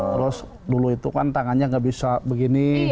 terus dulu itu kan tangannya nggak bisa begini